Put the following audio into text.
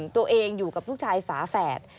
ตัวเองอยู่กับลูกชายฝาแฝด